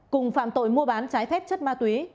cùng phạm tội mua bán trái phép chất ma túy